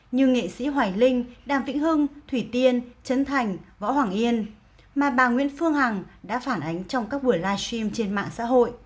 như nghệ sĩ hoài linh đàm vĩnh hưng thủy tiên trấn thành võ hoàng yên mà bà nguyễn phương hằng đã phản ánh trong các buổi livestream trên mạng xã hội